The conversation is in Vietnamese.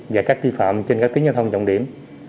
và các tri phạm trên các tỉnh giao thông trọng điểm